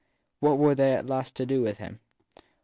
What were they at last to do for him ?